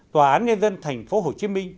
tòa án nguyên dân tp hcm